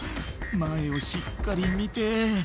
「前をしっかり見て」